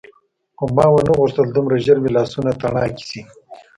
خو ما ونه غوښتل دومره ژر مې لاسونه تڼاکي شي.